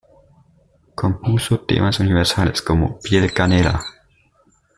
Compuso temas universales como Piel canela.